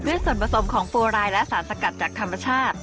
เพื่อส่วนผสมของโปรไลน์และสารสกัดจากธรรมชาติ